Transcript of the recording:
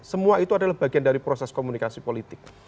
semua itu adalah bagian dari proses komunikasi politik